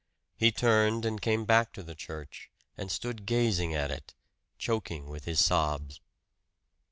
He turned and came back to the church, and stood gazing at it, choking with his sobs.